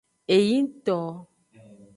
Eyingto.